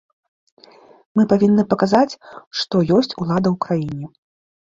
Мы павінны паказаць, што ёсць ўлада ў краіне.